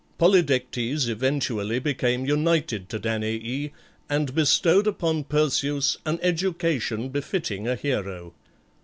Polydectes eventually became united to Danaë, and bestowed upon Perseus an education befitting a hero.